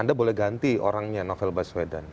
anda boleh ganti orangnya novel baswedan